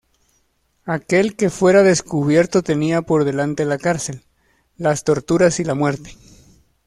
Aquel que fuera descubierto tenía por delante la cárcel, las torturas y la muerte.